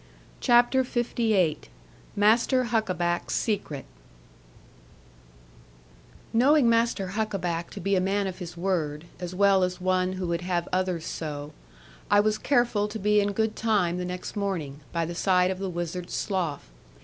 CHAPTER LVIII MASTER HUCKABACK'S SECRET Knowing Master Huckaback to be a man of his word, as well as one who would have others so, I was careful to be in good time the next morning, by the side of the Wizard's Slough.